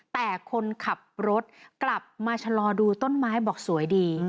แต่คนขับรถกลับมาชะลอดูต้นไม้บอกสวยดี